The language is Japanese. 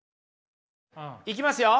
いきますよ。